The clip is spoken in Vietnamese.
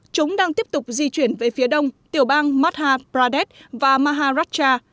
chúng đang tiếp tục di chuyển về phía đông tiểu bang madhya pradesh và maharashtra